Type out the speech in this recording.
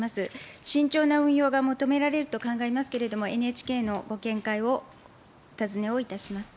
慎重な運用が求められると考えますけれども、ＮＨＫのご見解をお尋ねをいたします。